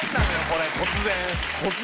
これ突然。